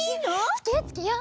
つけようつけよう。